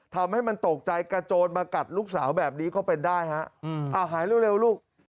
ทำให้มันตกใจกระโจนมากัดลูกสาวแบบนี้ก็เป็นได้ฮะหายเร็วลูก